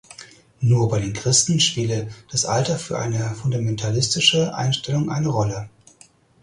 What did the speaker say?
Nur bei den Christen spiele das Alter für eine fundamentalistische Einstellung eine Rolle.